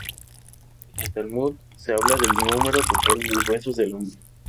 En el Talmud se habla del número total de los huesos del hombre.